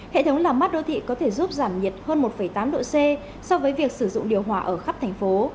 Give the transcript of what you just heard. hệ thống làm mắt đô thị có thể giúp giảm nhiệt hơn một tám độ c so với việc sử dụng điều hòa ở khắp thành phố